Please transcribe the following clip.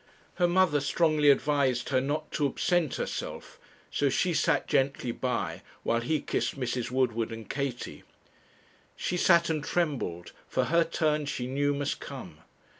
Her mother strongly advised her not to absent herself; so she sat gently by, while he kissed Mrs. Woodward and Katie. She sat and trembled, for her turn she knew must come.